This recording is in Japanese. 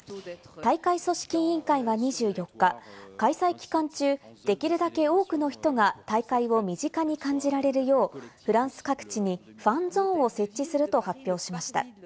大会組織委員会は２４日、開催期間中、できるだけ多くの人が大会を身近に感じられるよう、フランス各地にファンゾーンを設置すると発表しました。